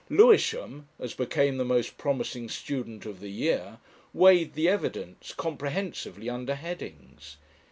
Lewisham, as became the most promising student of the year, weighed the evidence comprehensively under headings.